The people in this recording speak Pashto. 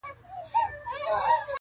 o خبري ښې کوي، لکۍ ئې کږې کوي٫